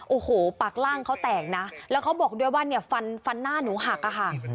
โอ้โหปากล่างเขาแตกนะแล้วเขาบอกด้วยว่าเนี่ยฟันฟันหน้าหนูหักอะค่ะ